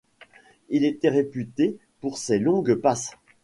Il était réputé pour ses longues passes.